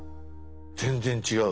全然違う！